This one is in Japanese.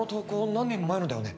何年も前のだよね